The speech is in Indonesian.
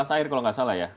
akhir kalau nggak salah ya